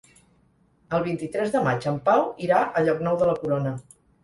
El vint-i-tres de maig en Pau irà a Llocnou de la Corona.